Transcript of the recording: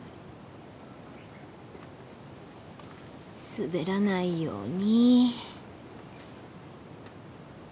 滑らないように。